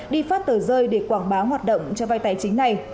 đi phát tờ rơi để quảng bá hoạt động cho vay tài chính này